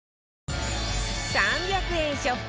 ３００円ショップ